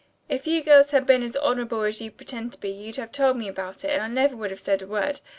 If you girls had been as honorable as you pretend to be you'd have told me about it and I never would have said a word.